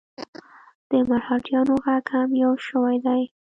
د مرهټیانو ږغ هم یو شوی دی.